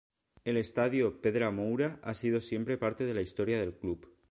El estadio Pedra Moura ha sido siempre parte de la historia del club.